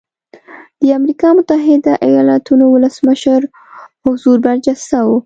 د امریکا متحده ایالتونو ولسمشر حضور برجسته و.